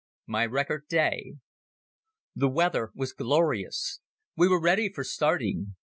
XI My Record Day THE weather was glorious. We were ready for starting.